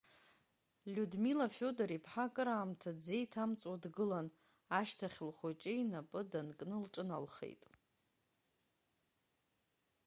Лиудмила Феодор-иԥҳа акыраамҭа дзеиҭамҵуа дгылан, ашьҭахь лхәыҷы инапы данкны лҿыналхеит.